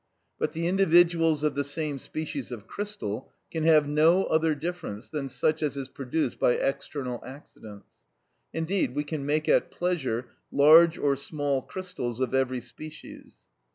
But the individuals of the same species of crystal can have no other difference than such as is produced by external accidents; indeed we can make at pleasure large or small crystals of every species.